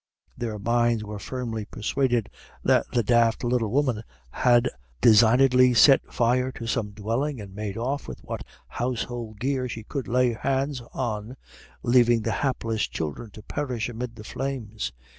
Their minds were firmly persuaded that the daft little woman had designedly set fire to some dwelling, and made off with what household gear she could lay hands on, leaving the hapless children to perish amid the flames.